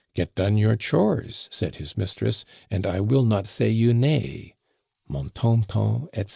Get done your chores,' said his mistress, ' and I will not say you nay ': Mon ton ton, etc.